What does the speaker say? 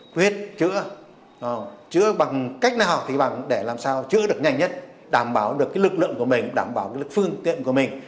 quyết chữa chữa bằng cách nào thì bằng để làm sao chữa được nhanh nhất đảm bảo được cái lực lượng của mình đảm bảo được phương tiện của mình